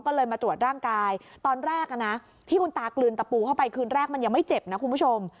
ก็เลยมาตรวจร่างกายตอนแรกนะที่คุณตากลืนตะปูเข้าไปคืนแรกมันยังไม่เจ็บนะคุณผู้ชม